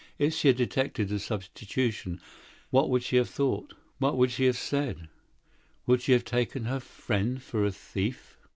If she had detected the substitution, what would she have thought, what would she have said? Would she not have taken Madame Loisel for a thief?